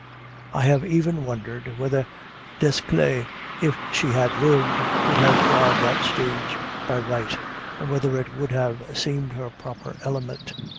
I have even wondered whether Desclée, if she had lived, would have trod that stage by right, and whether it would have seemed her proper element.